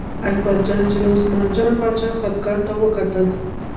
اکبرجان چې د عثمان جان باچا خپګان ته کتل.